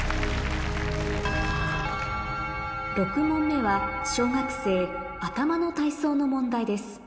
６問目は小学生の問題です